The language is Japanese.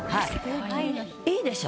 良いでしょ？